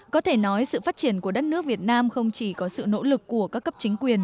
có thể nói sự phát triển của đất nước việt nam không chỉ có sự nỗ lực của các cấp chính quyền